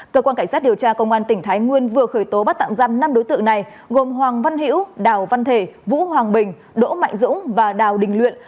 cơ quan cảnh sát điều tra công an tỉnh thái nguyên vừa khởi tố bắt tạm giam năm đối tượng này gồm hoàng văn hữu đào văn thể vũ hoàng bình đỗ mạnh dũng và đào đình luyện